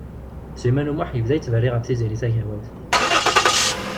Sliman U Muḥ yebda yettberri ɣef Tiziri Tagawawt.